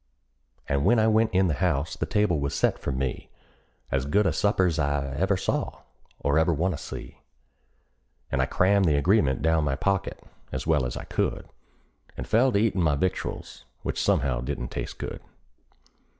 And when I went in the house the table was set for me As good a supper's I ever saw, or ever want to see; And I crammed the agreement down my pocket as well as I could, And fell to eatin' my victuals, which somehow didn't taste good.